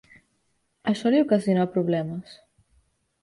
Això li ocasionà problemes.